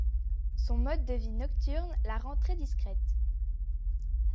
Son mode de vie nocturne la rend très discrète.